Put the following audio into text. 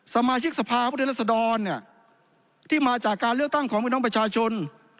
สมาชิกสภาพประเทศรัสดรที่มาจากการเลือกตั้งของพวกน้องประชาชน